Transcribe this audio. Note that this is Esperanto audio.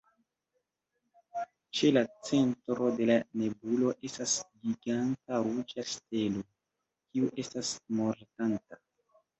Ĉe la centro de la nebulo estas giganta ruĝa stelo, kiu estas mortanta.